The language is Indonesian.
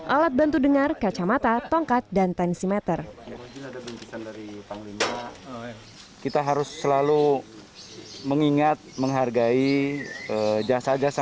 alat bantu dengar kacamata tongkat dan tensimeter kita harus selalu mengingat menghargai jasa jasa